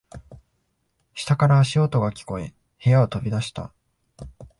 下から足音が聞こえ、部屋を飛び出した。